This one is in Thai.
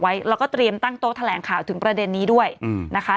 ไว้แล้วก็เตรียมตั้งโต๊ะแถลงข่าวถึงประเด็นนี้ด้วยนะคะ